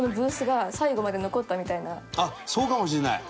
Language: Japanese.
あっそうかもしれない。